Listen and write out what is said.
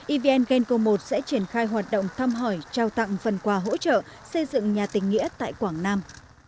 evn genco một sẽ triển khai hoạt động thăm hỏi trao tặng phần quà hỗ trợ xây dựng nhà tình nghĩa tại quảng nam